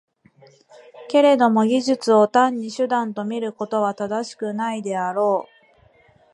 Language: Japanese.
けれども技術を単に手段と見ることは正しくないであろう。